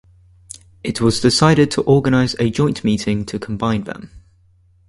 It was decided to organize a joint meeting to combine them.